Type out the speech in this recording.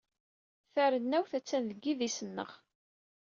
Tarennawt attan deg yidis-nneɣ.